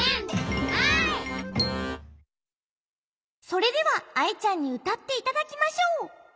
それではアイちゃんにうたっていただきましょう。